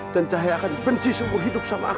dan cahaya akan benci seumur hidup sama aku